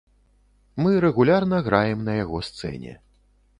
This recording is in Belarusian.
Мы рэгулярна граем на яго сцэне.